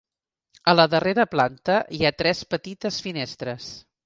A la darrera planta hi ha tres petites finestres.